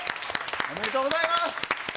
おめでとうございます。